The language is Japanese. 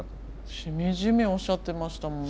しみじみおっしゃってましたもんね